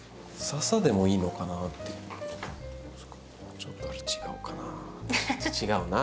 ちょっと違うなぁ。